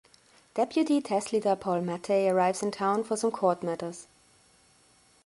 Deputy Tahsildar Paul Mathai arrives in town for some court matters.